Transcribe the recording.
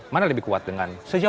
mana lebih kuat dengan sejauh